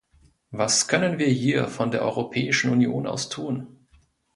Was können wir hier von der Europäischen Union aus tun?